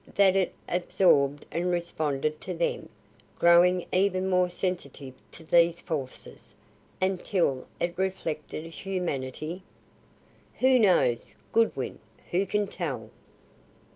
That it absorbed and responded to them, growing even more sensitive to these forces until it reflected humanity?" "Who knows, Goodwin who can tell?"